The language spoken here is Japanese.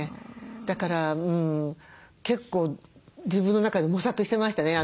だから結構自分の中で模索してましたね。